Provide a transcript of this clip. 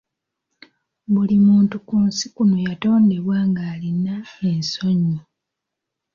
Buli muntu ku nsi kuno yatondebwa ngalina ensonyi.